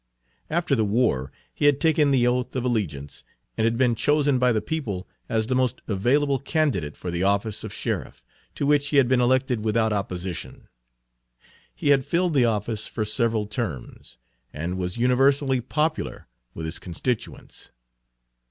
After the war he had taken the oath of allegiance, and had been chosen by the people as the most available candidate for the office of sheriff, to which he had been elected without opposition. He had filled the office for several terms, and was universally popular with his constituents.